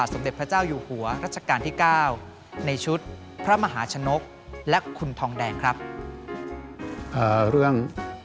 ต้องล้มเหล่าไม้อ่ะริ้วลู่ใบลุยพลิ้วปลิ้ววัน